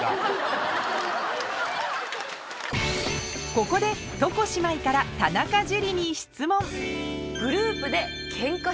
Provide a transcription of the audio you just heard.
ここで床姉妹から田中樹に質問おぉ。